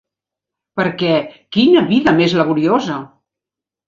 Per què, quina vida més laboriosa!